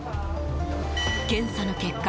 検査の結果